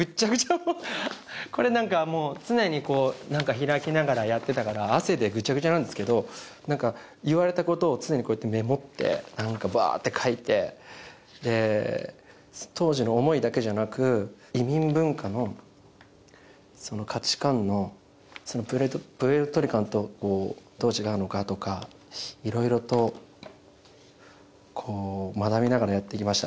もうこれなんかもう常に開きながらやってたから汗でグチャグチャなんですけど何か言われたことを常にこうやってメモって何かブワーッて書いてで当時の思いだけじゃなく移民文化のその価値観のプエルトリカンとこうどう違うのかとか色々とこう学びながらやっていきました